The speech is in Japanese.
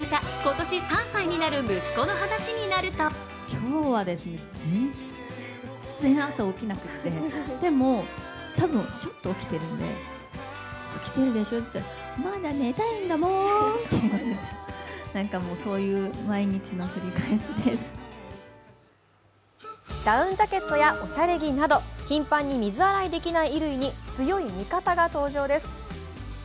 夫・三浦翔平さんとの間に生まれた今年３歳になる息子の話になるとダウンジャケットやおしゃれ着など頻繁に水洗いできない衣類に強い味方が登場です。